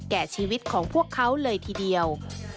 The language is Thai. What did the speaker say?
แก่ชีวิตของพวกเขาเลยทีเดียว